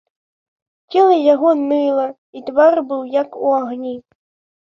Цела яго ныла, і твар быў як у агні.